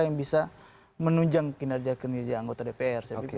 yang bisa menunjang kinerja kinesi anggota dpr